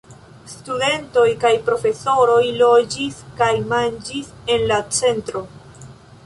Studentoj kaj profesoroj loĝis kaj manĝis en la centro.